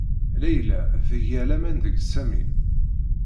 Layla tga laman deg Sami.